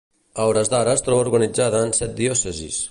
A hores d'ara es troba organitzada en set diòcesis.